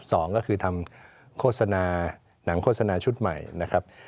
สองก็คือทำโฆษณาหนังโฆษณาชุดใหม่นะครับ